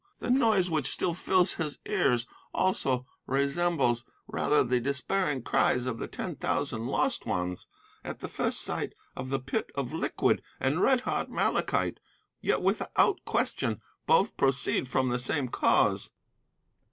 The noise which still fills his ears, also, resembles rather the despairing cries of the Ten Thousand Lost Ones at the first sight of the Pit of Liquid and Red hot Malachite, yet without question both proceed from the same cause.